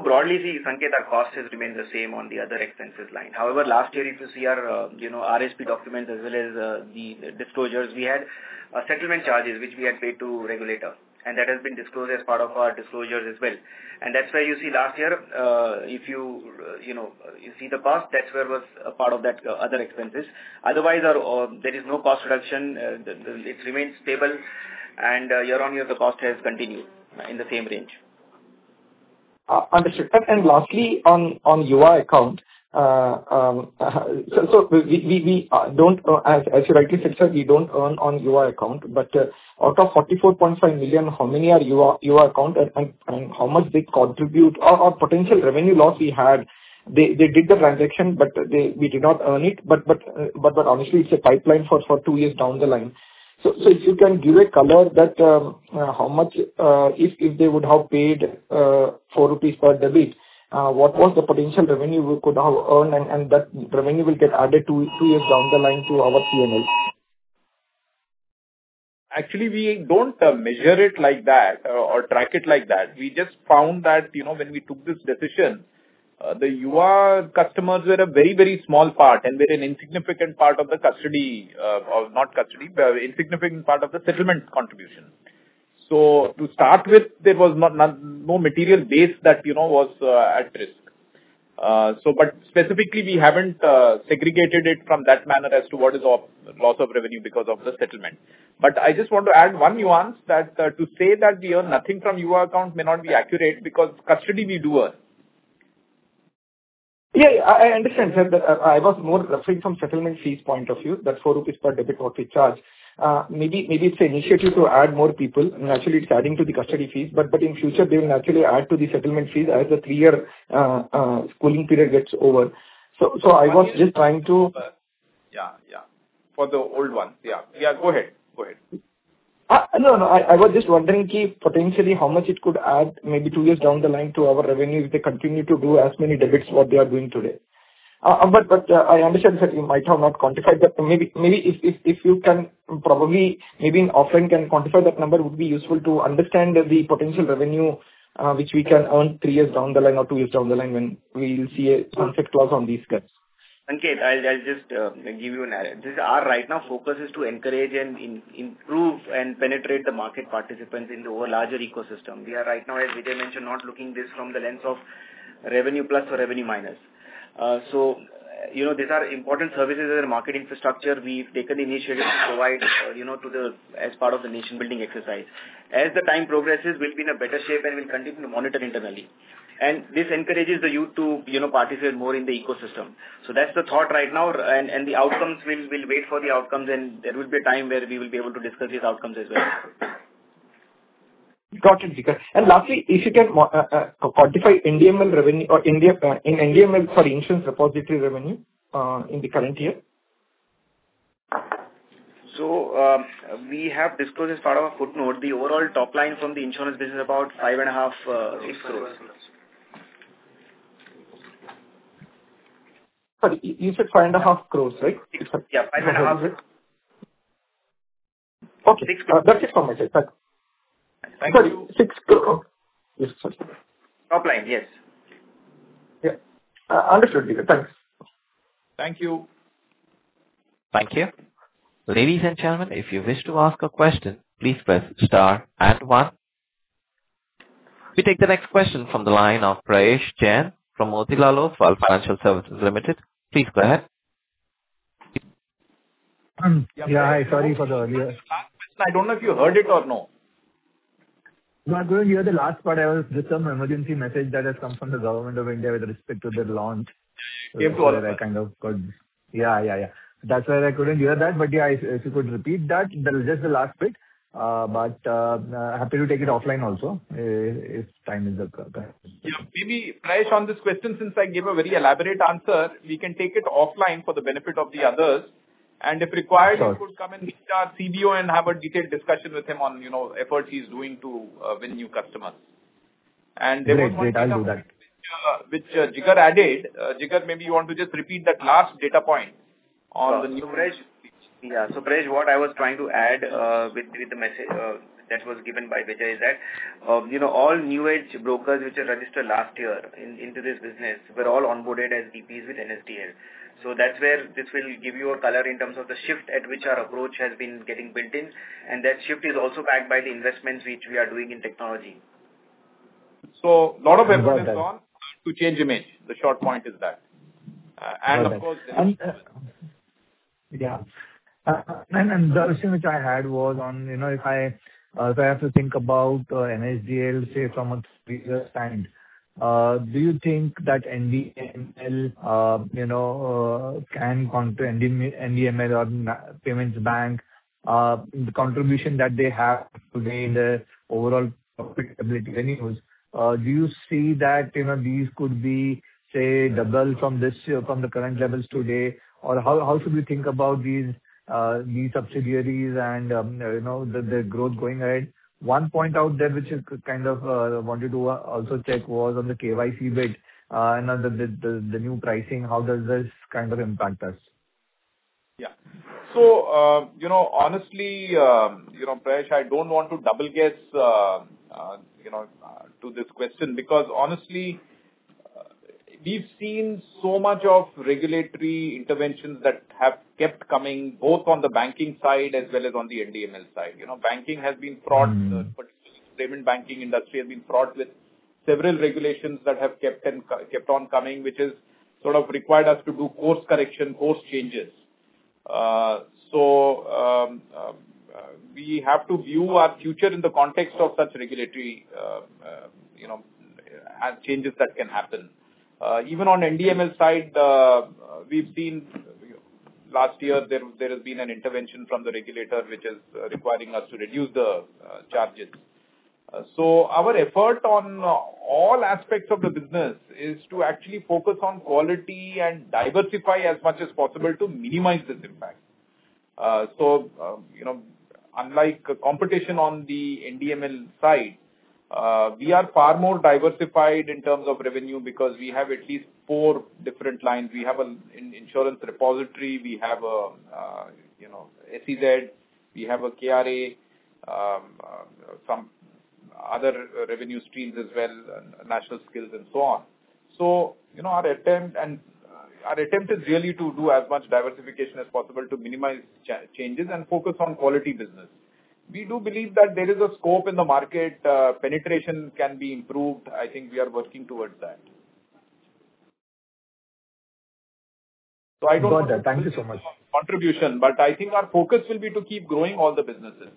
Broadly, see, Sanketh, our cost has remained the same on the other expenses line. However, last year if you see our, you know, DRHP documents as well as the disclosures, we had settlement charges which we had paid to regulator, and that has been disclosed as part of our disclosures as well. That's why you see last year, if you know, you see the past, that's where was a part of that other expenses. Otherwise, our, there is no cost reduction. It remains stable and year-on-year the cost has continued in the same range. Understood. Lastly, on UR account, as you rightly said, sir, we don't earn on UR account. Out of 44.5 million, how many are UR account and how much they contribute or potential revenue loss we had. They did the transaction, but we did not earn it. But honestly, it's a pipeline for two years down the line. If you can give a color that how much if they would have paid 4 rupees per debit, what was the potential revenue we could have earned? That revenue will get added two years down the line to our P&L. Actually, we don't measure it like that or track it like that. We just found that, you know, when we took this decision, the UR customers were a very, very small part and were an insignificant part of the custody, or not custody, but insignificant part of the settlement contribution. To start with, there was no material base that, you know, was at risk. But specifically, we haven't segregated it from that manner as to what is a loss of revenue because of the settlement. I just want to add one nuance that to say that we earn nothing from UR accounts may not be accurate because custody we do earn. Yeah, I understand, sir. I was more referring from settlement fees point of view, that 4 rupees per debit what we charge. Maybe it's a initiative to add more people. Naturally it's adding to the custody fees. In future they will naturally add to the settlement fees as the three-year schooling period gets over. Yeah. For the old one. Yeah, go ahead. Go ahead. No, no. I was just wondering if potentially how much it could add maybe two years down the line to our revenue if they continue to do as many debits what they are doing today. I understand, sir, you might have not quantified that. Maybe if you can probably maybe in offline can quantify that number, would be useful to understand the potential revenue, which we can earn three years down the line or two years down the line when we'll see a sunset clause on these cuts. Sanketh, I'll just give you an This is our right now focus is to encourage and improve and penetrate the market participants into a larger ecosystem. We are right now, as Vijay mentioned, not looking this from the lens of revenue plus or revenue minus. These are important services and market infrastructure. We've taken the initiative to provide to the, as part of the nation building exercise. As the time progresses, we'll be in a better shape and we'll continue to monitor internally. This encourages the youth to, you know, participate more in the ecosystem. That's the thought right now. The outcomes, we'll wait for the outcomes and there will be a time where we will be able to discuss these outcomes as well. Got it, Jigar. Lastly, if you can quantify NSDL revenue or India, NSDL for Insurance Repository revenue in the current year? We have disclosed as part of a footnote the overall top line from the insurance business is about 5.5 crores. Sorry, you said 5.5 crores, right? Yeah, 5.5 crores. Okay. 6 crores. That's it from my side. Thanks. Thank you. Sorry, 6 crores Oh. Yes. Top line, yes. Yeah. Understood, Jigar. Thanks. Thank you. Thank you. Ladies and gentlemen, if you wish to ask a question, please press star and one. We take the next question from the line of Prayesh Jain from Motilal Oswal Financial Services Limited. Please go ahead. Yeah. Hi. Sorry for the. I don't know if you heard it or no. No, I couldn't hear the last part. There's some emergency message that has come from the government of India with respect to the launch. If you all- I kind of got. Yeah, that's why I couldn't hear that. If you could repeat that is just the last bit. Happy to take it offline also if time is a factor. Yeah. Maybe, Prayesh, on this question, since I gave a very elaborate answer, we can take it offline for the benefit of the others. Sure. You could come and meet our CBO and have a detailed discussion with him on, you know, efforts he's doing to win new customers. Great. Great. I'll do that. There was one data point which, Jigar added. Jigar, maybe you want to just repeat that last data point on the new age- Prayesh. Yeah. Prayesh, what I was trying to add with the message that was given by Vijay Chandok is that, you know, all new age brokers which are registered last year in, into this business were all onboarded as DPs with NSDL. That's where this will give you a color in terms of the shift at which our approach has been getting built in. That shift is also backed by the investments which we are doing in technology. Lot of emphasis on. Got that. To change image. The short point is that. Got that. And of course- Yeah. The other thing which I had was on, you know, if I have to think about NSDL, say, from a previous stand, do you think that NDML, you know, can compare NDML or Payments Bank, the contribution that they have today in the overall profitability anyways, do you see that, you know, these could be, say, double from this year, from the current levels today? How should we think about these subsidiaries and the growth going ahead? One point out there which is kind of wanted to also check was on the KYC bid, and the new pricing, how does this kind of impact us? Yeah. You know, Prayesh, I don't want to double guess to this question because honestly, we've seen so much of regulatory interventions that have kept coming both on the banking side as well as on the NSDL side. You know, banking has been fraught, particularly payment banking industry has been fraught with several regulations that have kept on coming, which has sort of required us to do course correction, course changes. We have to view our future in the context of such regulatory, you know, changes that can happen. Even on NDML side, we've seen, you know, last year there has been an intervention from the regulator, which is requiring us to reduce the charges. Our effort on all aspects of the business is to actually focus on quality and diversify as much as possible to minimize this impact. You know, unlike competition on the NDML side, we are far more diversified in terms of revenue because we have at least four different lines. We have an Insurance Repository, we have a, you know, SEZ, we have a KRA, some other revenue streams as well, national skills and so on. You know, our attempt and our attempt is really to do as much diversification as possible to minimize changes and focus on quality business. We do believe that there is a scope in the market, penetration can be improved. I think we are working towards that. Got that. Thank you so much. Contribution. I think our focus will be to keep growing all the businesses.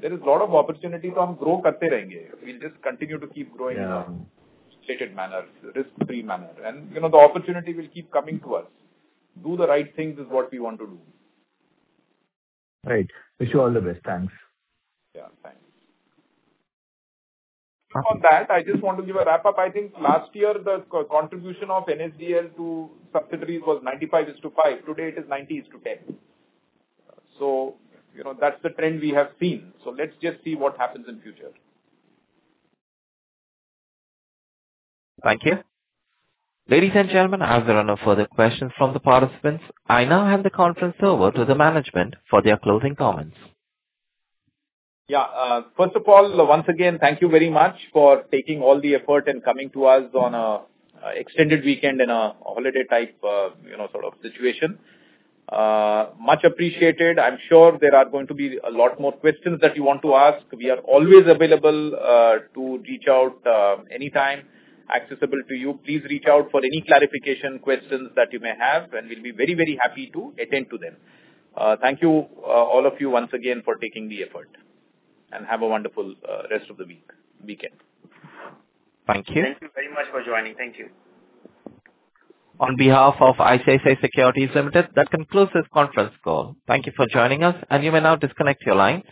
There is a lot of opportunity to grow in the long run. We'll just continue to keep growing. Yeah. -in a stated manner, risk-free manner. You know, the opportunity will keep coming to us. Do the right things is what we want to do. Right. Wish you all the best. Thanks. Yeah, thanks. Okay. On that, I just want to give a wrap up. I think last year the contribution of NSDL to subsidiaries was 95:5. Today it is 90:10. You know, that's the trend we have seen. Let's just see what happens in future. Thank you. Ladies and gentlemen, as there are no further questions from the participants, I now hand the conference over to the management for their closing comments. Yeah. First of all, once again, thank you very much for taking all the effort and coming to us on a extended weekend in a holiday type, you know, sort of situation. Much appreciated. I'm sure there are going to be a lot more questions that you want to ask. We are always available to reach out anytime, accessible to you. Please reach out for any clarification questions that you may have, and we'll be very, very happy to attend to them. Thank you all of you once again for taking the effort. Have a wonderful rest of the week, weekend. Thank you. Thank you very much for joining. Thank you. On behalf of ICICI Securities Limited, that concludes this conference call. Thank you for joining us, and you may now disconnect your line.